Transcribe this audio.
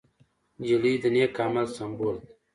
نجلۍ د نېک عمل سمبول ده.